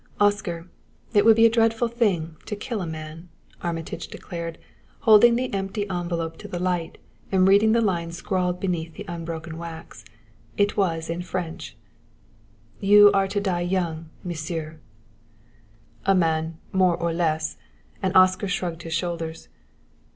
"Oscar, it would be a dreadful thing to kill a man," Armitage declared, holding the empty envelope to the light and reading the line scrawled beneath the unbroken wax. It was in French: "You are young to die, Monsieur." "A man more or less!" and Oscar shrugged his shoulders.